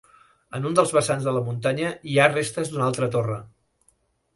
En un dels vessants de la muntanya hi ha restes d'una altra torre.